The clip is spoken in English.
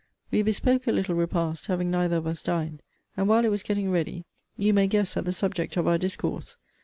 We bespoke a little repast, having neither of us dined; and, while it was getting ready, you may guess at the subject of our discourse.